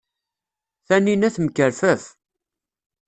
Taninna temkerfaf.